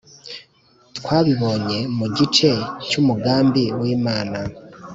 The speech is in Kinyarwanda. Twabibonye mu gice cyumugambi wImana